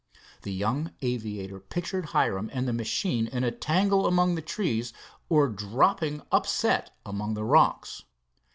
The young aviator pictured Hiram and the machine in a tangle among the trees, or dropping upset among the rocks.